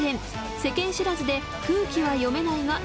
世間知らずで「空気は読めないが事件は読める」